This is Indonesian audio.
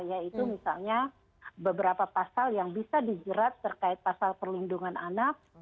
yaitu misalnya beberapa pasal yang bisa dijerat terkait pasal perlindungan anak